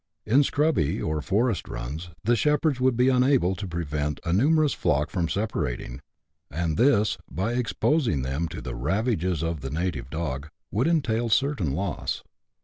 In " scrubby " or forest " runs " the shepherds would be unable to prevent a numerous flock from separating, and this, by exposing them to the ravages of the native dog, would entail certain loss.